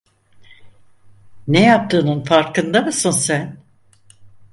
Ne yaptığının farkında mısın sen?